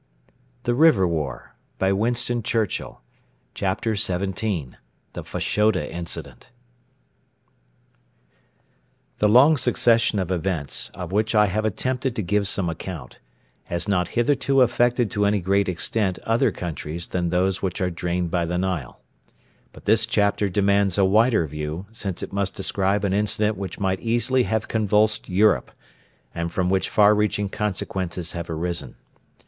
There were, besides, 5,000 prisoners. CHAPTER XVII: 'THE FASHODA INCIDENT' The long succession of events, of which I have attempted to give some account, has not hitherto affected to any great extent other countries than those which are drained by the Nile. But this chapter demands a wider view, since it must describe an incident which might easily have convulsed Europe, and from which far reaching consequences have arisen.